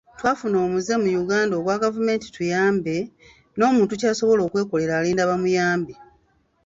Twafuna omuze mu Uganda ogwa Gavumenti etuyambe, n'omuntu kyasobola okwekolera alinda bamuyambe.